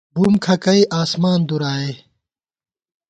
بُم کھکَئ آسمان دُرائے